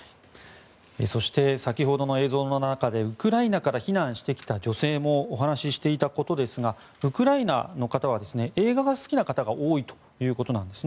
そして先ほどの映像の中でウクライナから避難してきた女性もお話ししていたことですがウクライナの方は映画が好きな方が多いということです。